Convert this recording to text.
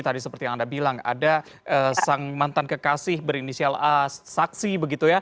tadi seperti yang anda bilang ada sang mantan kekasih berinisial a saksi begitu ya